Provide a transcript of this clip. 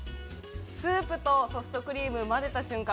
スープとソフトクリーム、混ぜた瞬間